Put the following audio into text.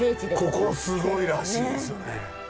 ここすごいらしいですよね。